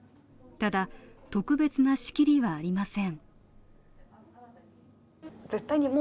ただ、特別な仕切りはありません。